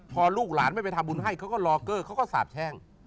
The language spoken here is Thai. พอลูกหลานไม่ไปทำบุญให้เขาก็รอเกอร์เขาก็สาบแช่ง